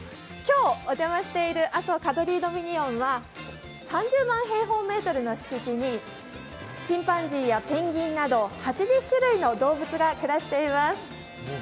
今日お邪魔している阿蘇カドリー・ドミニオンは、３０平方メートルの敷地にチンパンジーやペンギンなど８０種類の動物が暮らしています。